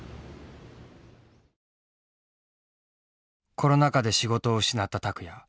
コロナ禍で仕事を失った拓也。